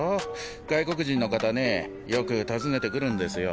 外国人の方ねよく訪ねてくるんですよ